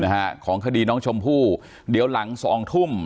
นะฮะของคดีน้องชมพู่เดี๋ยวหลังสองทุ่ม